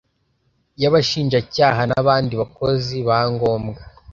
y Abashinjacyaha n abandi bakozi ba ngombwa